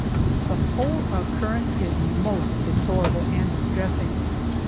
The whole occurrence is most deplorable and distressing.